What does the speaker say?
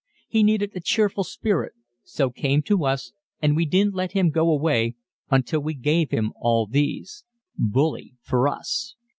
He needed a cheerful spirit so came to us and we didn't let him go away until we gave him all these. Bully for us!